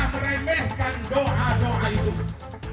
masih pernah meremehkan doa doa itu